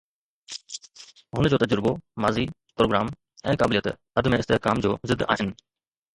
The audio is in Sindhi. هن جو تجربو، ماضي، پروگرام ۽ قابليت عدم استحڪام جو ضد آهن.